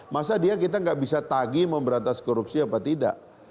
masa dia kita tidak bisa tagi pemberantasan korupsi apa tidak